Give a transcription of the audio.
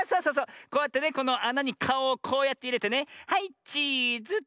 こうやってねこのあなにかおをこうやっていれてねはいチーズ。いやちがうちがうちがう。